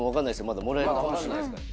まだもらえるかもしんないですから。